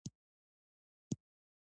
ځکه زۀ وائم چې